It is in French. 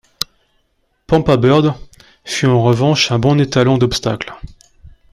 Pampabird fut en revanche un bon étalon d'obstacle.